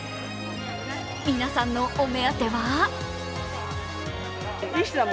皆さんのお目当ては？